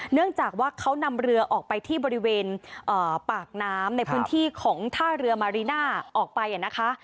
เนื่องจากว่าเขานำเรือออกไปที่บริเวณปากน้ำในพื้นที่ของท่าเรือมาริน่าออกไปนะคะ